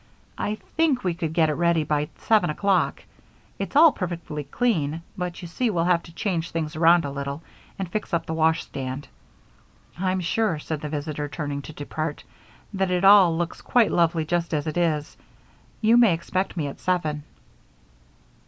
"I think we could get it ready by seven o'clock. It's all perfectly clean, but you see we'll have to change things around a little and fix up the washstand." "I'm sure," said the visitor, turning to depart, "that it all looks quite lovely just as it is. You may expect me at seven."